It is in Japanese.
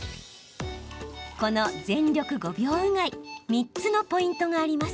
この全力５秒うがい３つのポイントがあります。